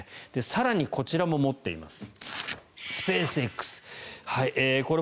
更に、こちらも持っています。